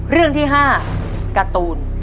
เรื่องที่๕การ์ตูน